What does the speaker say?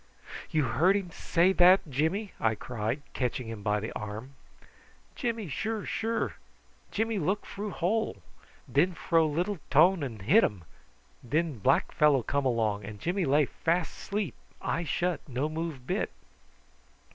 '" "You heard him say that, Jimmy?" I cried, catching him by the arm. "Jimmy sure, sure. Jimmy look froo hole. Den fro little tone an hit um, and den black fellow come along, and Jimmy lay fas' sleep, eye shut, no move bit."